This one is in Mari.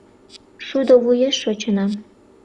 Шудо вуеш шочынам